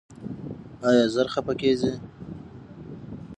ایا ژر خفه کیږئ؟